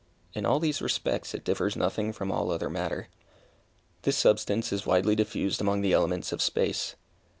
In all these respects it differs nothing from all other matter. This substance is widely diffused among the elements of space.